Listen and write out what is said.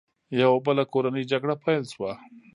یوه بله کورنۍ جګړه پیل شوه.